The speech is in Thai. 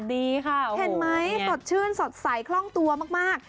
ดีค่ะโอ้โหอย่างงี้เห็นไหมสดชื่นสดใสคล่องตัวมาก